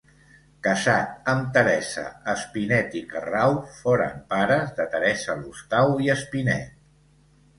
Casat amb Teresa Espinet i Carrau foren pares de Teresa Lostau i Espinet.